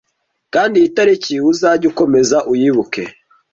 kandi iyi tariki uzajye ukomeza uyibuka